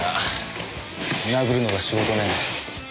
殴るのが仕事ねぇ。